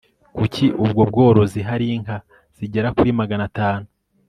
Kuri ubwo bworozi hari inka zigera kuri magana tanu